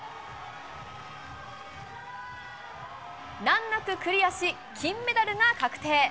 難なくクリアし、金メダルが確定。